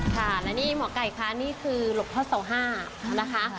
ค่ะแล้วนี่หมอไก่คะนี่คือหลบพระศาลห้านะคะ